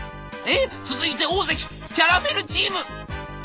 続いて大関キャラメルチーム」。